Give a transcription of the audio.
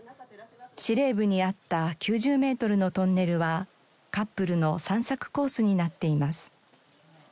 司令部にあった９０メートルのトンネルはカップルの散策コースになっています。